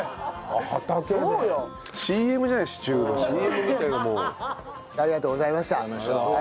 ありがとうございます。